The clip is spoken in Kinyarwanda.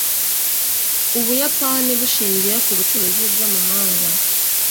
ubuyapani bushingiye ku bucuruzi bw'amahanga